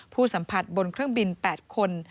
ผู้สัมผัสบนเครื่องบิน๘คน